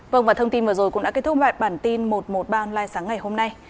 vâng và thông tin vừa rồi cũng đã kết thúc bản tin một trăm một mươi ba online sáng ngày hôm nay